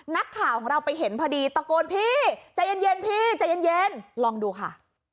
นักข่าวของเราไปเห็นพอดีตะโกนพี่ใจเย็นพี่ใจเย็นลองดูค่ะ